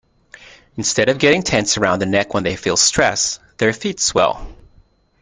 Instead of getting tense around the neck when they feel stress, their feet swell.